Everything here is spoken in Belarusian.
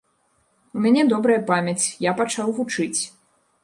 У мяне добрая памяць, я пачаў вучыць.